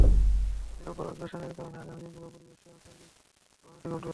নদীর ওপর আগ্রাসনের কারণে আগামী দিনগুলোতে পরিবেশসহ সার্বিক পরিস্থিতির ভয়াবহ অবনতি ঘটবে।